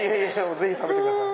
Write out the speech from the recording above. ぜひ食べてください。